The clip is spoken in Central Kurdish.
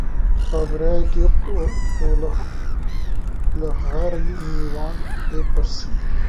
کابرایەکی قوڵەخڕەی میوان، لێی پرسیم: